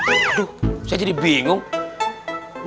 aduh saya jadi bingung